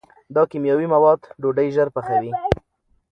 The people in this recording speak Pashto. دا کیمیاوي مواد ډوډۍ ژر پخوي.